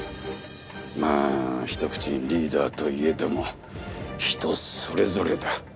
まあひと口にリーダーといえども人それぞれだ。